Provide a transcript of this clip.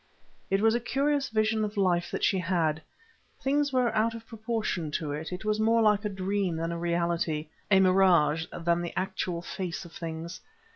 It was a curious vision of life that she had: things were out of proportion to it; it was more like a dream than a reality—a mirage than the actual face of things.